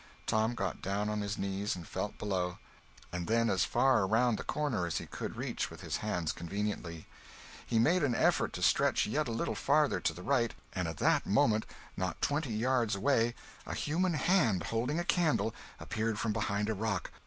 Tom got down on his knees and felt below, and then as far around the corner as he could reach with his hands conveniently; he made an effort to stretch yet a little farther to the right, and at that moment, not twenty yards away, a human hand, holding a candle, appeared from behind a rock!